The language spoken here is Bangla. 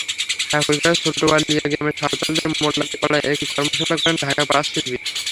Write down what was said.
ঠাকুরগাঁওয়ের ছোটবালিয়া গ্রামের সাঁওতালদের মোল্লানী পাড়ায় একটি কর্মশালা করেন ঢাকার পাঁচ শিল্পী।